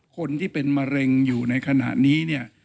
คนที่เป็นมะเร็งอยู่ในขณะนี้เนี่ย